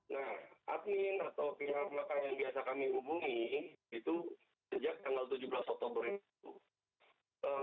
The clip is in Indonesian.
nah admin atau pihak maka yang biasa kami hubungi itu sejak tanggal tujuh belas oktober itu